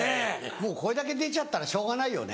もうこれだけ出ちゃったらしょうがないよね。